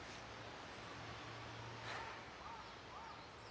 はあ。